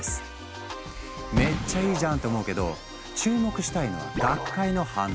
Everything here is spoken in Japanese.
めっちゃいいじゃん！って思うけど注目したいのは学会の反応。